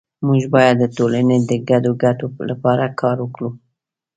مونږ باید د ټولنې د ګډو ګټو لپاره کار وکړو